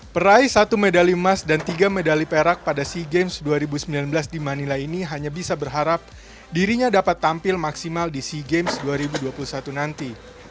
peraih satu medali emas dan tiga medali perak pada sea games dua ribu sembilan belas di manila ini hanya bisa berharap dirinya dapat tampil maksimal di sea games dua ribu dua puluh satu nanti